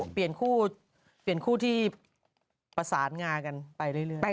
เปลี่ยนคู่ที่ประสานงากันไปเรื่อย